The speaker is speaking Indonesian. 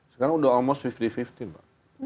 sekarang udah hampir lima puluh lima puluh mbak